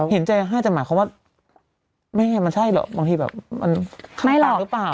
เห็นใจอาหารแต่หมายความว่าไม่มันใช่หรอบางทีมันข้ามตาหรือเปล่า